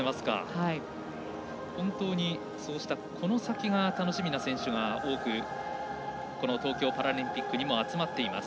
本当にこの先が楽しみな選手が多くこの東京パラリンピックにも集まっています。